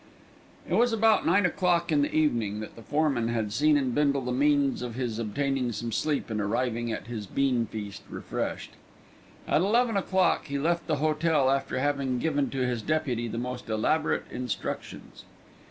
It was about nine o'clock in the evening that the foreman had seen in Bindle the means of his obtaining some sleep and arriving at his bean feast refreshed. At eleven o'clock he left the hotel, after having given to his deputy the most elaborate instructions.